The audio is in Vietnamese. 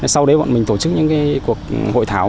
sau đấy bọn mình tổ chức những cuộc hội thảo